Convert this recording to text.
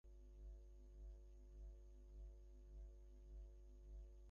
জানা হয়ে গেছে কারা থাকছে শেষ চারে।